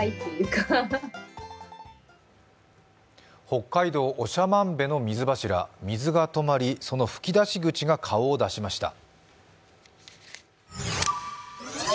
北海道長万部の水柱水が止まり、その噴き出し口が顔を出しました。